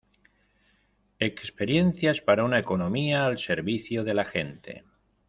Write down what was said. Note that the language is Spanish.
Experiencias para una economía al servicio de la gente